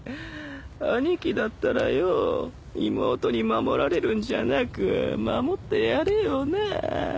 兄貴だったらよぉ妹に守られるんじゃなく守ってやれよなぁ。